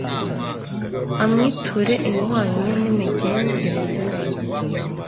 amwiture ibihwanye n imigenzereze ye